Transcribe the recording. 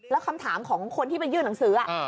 แล้วคำถามของคนที่ไปยื่นหนังสือ